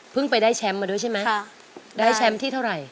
ไปได้แชมป์มาด้วยใช่ไหมได้แชมป์ที่เท่าไหร่